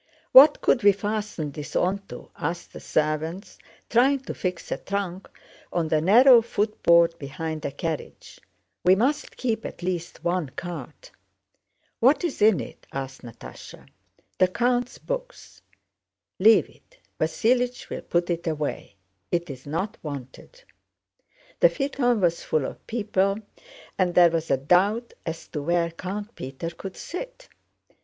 "What could we fasten this onto?" asked the servants, trying to fix a trunk on the narrow footboard behind a carriage. "We must keep at least one cart." "What's in it?" asked Natásha. "The count's books." "Leave it, Vasílich will put it away. It's not wanted." The phaeton was full of people and there was a doubt as to where Count Peter could sit.